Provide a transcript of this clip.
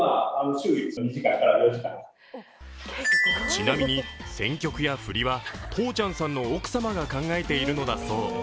ちなみに選曲やフリはとーちゃんさんの奥様が考えているのだそう。